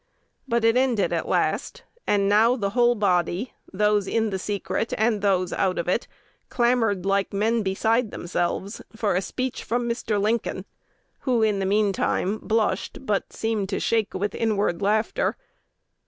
But it ended at last; and now the whole body, those in the secret and those out of it, clamored like men beside themselves for a speech from Mr. Lincoln, who in the mean time "blushed, but seemed to shake with inward laughter."